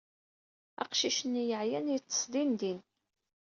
Aqcic-nni yeɛyan yeḍḍes dindin.